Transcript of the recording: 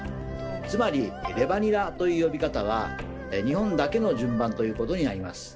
つまり「レバニラ」という呼び方は日本だけの順番ということになります。